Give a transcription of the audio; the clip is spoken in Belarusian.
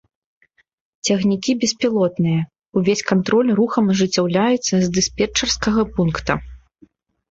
Цягнікі беспілотныя, увесь кантроль рухам ажыццяўляецца з дыспетчарскага пункта.